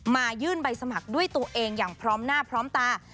ยื่นใบสมัครด้วยตัวเองอย่างพร้อมหน้าพร้อมตา